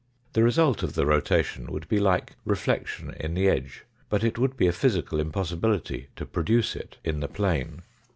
The result of the rotation would be like reflection in the edge, but it would be a physical im possibility to produce it in the plane.